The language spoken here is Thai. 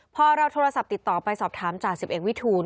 พอเราโทรศัพท์ติดต่อไปสอบถามจาก๑๑วิทูล